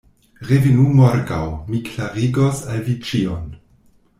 Revenu morgaŭ: mi klarigos al vi ĉion.